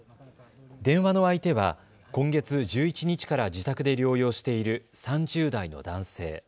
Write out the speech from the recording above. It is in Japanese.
電話の相手は今月１１日から自宅で療養している３０代の男性。